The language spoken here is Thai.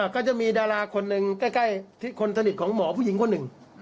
ก็จะมีดาราคนหนึ่งใกล้คนสนิทของหมอผู้หญิงคนหนึ่ง